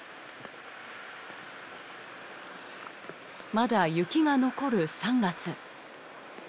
まだ雪が残る３月。